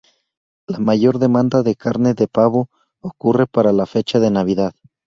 La mayor demanda de carne de pavo ocurre para la fecha de Navidad.